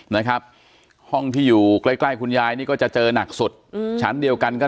นะครับห้องที่อยู่ใกล้ใกล้คุณยายนี่ก็จะเจอหนักสุดอืมชั้นเดียวกันก็